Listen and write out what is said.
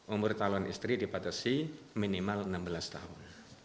umur calon istri dipatasi minimal enam belas tahun